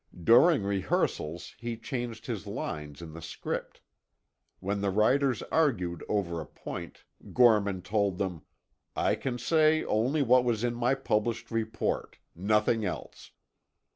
During rehearsals, he changed his lines in the script. When the writers argued over a point, Gorman told them: "I can say only what was in my published report—nothing else."